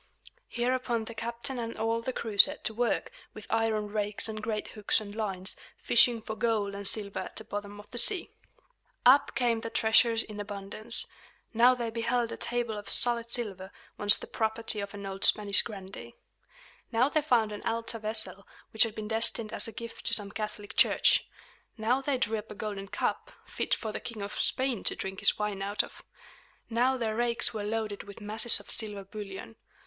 Hereupon the captain and all the crew set to work, with iron rakes and great hooks and lines, fishing for gold and silver at the bottom of the sea. Up came the treasures in abundance. Now they beheld a table of solid silver, once the property of an old Spanish grandee. Now they found an altar vessel, which had been destined as a gift to some Catholic church. Now they drew up a golden cup, fit for the King of Spain to drink his wine out of. Now their rakes were loaded with masses of silver bullion.